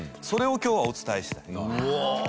それを今日はお伝えしたい。